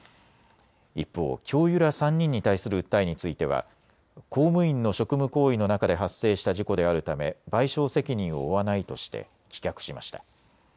一方、教諭ら３人に対する訴えについては公務員の職務行為の中で発生した事故であるため賠償責任を負わないとして棄却しました。